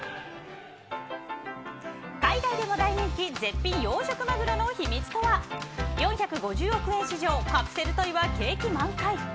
海外でも大人気絶品養殖マグロの秘密とは４５０億円市場カプセルトイは景気満開。